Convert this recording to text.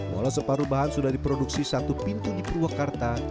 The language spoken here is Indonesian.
walau separuh bahan sudah diproduksi satu pintu di purwakarta